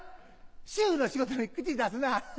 主婦の仕事に口出すな。